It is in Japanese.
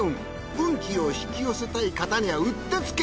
運気を引き寄せたい方にはうってつけ！